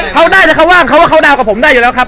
เขาได้หรือเขาว่างเขาก็เข้าดาวกับผมได้อยู่แล้วครับ